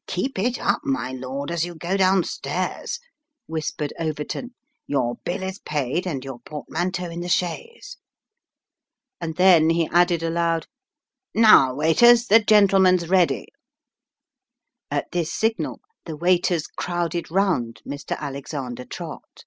" Keep it up, my lord, as you go down stairs," whispered Overton, " your bill is paid, and your portmanteau in the chaise." And then he added aloud, " Now, waiters, the gentleman's ready." At this signal, the waiters crowded round Mr. Alexander Trott.